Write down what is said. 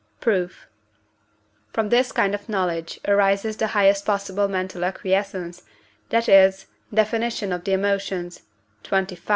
Proof. From this kind of knowledge arises the highest possible mental acquiescence, that is (Def of the Emotions, xxv.)